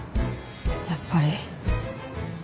やっぱり。